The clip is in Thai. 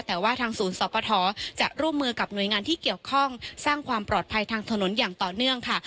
แต่ว่าทางศูนย์สปทจะร่วมมือกับหน่วยงานที่เกี่ยวข้องสร้างความปลอดภัยทางถนนอย่างต่อเนื่องค่ะ